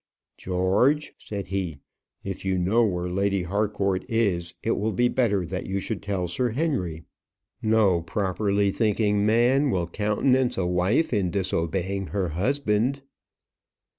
"George," said he, "if you know where Lady Harcourt is, it will be better that you should tell Sir Henry. No properly thinking man will countenance a wife in disobeying her husband."